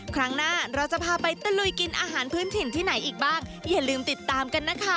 ครั้งหน้าเราจะพาไปตะลุยกินอาหารพื้นถิ่นที่ไหนอีกบ้างอย่าลืมติดตามกันนะคะ